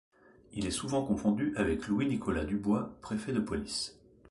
Il est souvent confondu avec Louis Nicolas Dubois préfet de police.